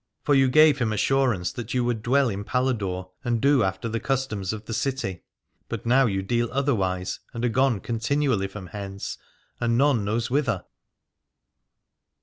For you gave him assurance that you would dwell in Pala dore, and do after the customs of the city: but now you deal otherwise and are gone con tinually from hence, and none knows whither.